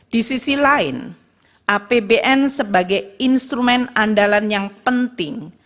di sisi lain apbn sebagai instrumen andalan yang penting